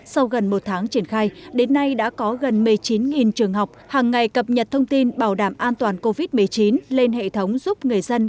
sau gần một tháng triển khai đến nay đã có gần một mươi chín trường học hàng ngày cập nhật thông tin bảo đảm an toàn covid một mươi chín lên hệ thống giúp người dân